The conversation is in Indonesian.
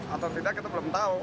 atau tidak kita belum tahu